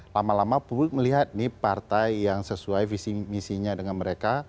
lama lama publik melihat nih partai yang sesuai visi misinya dengan mereka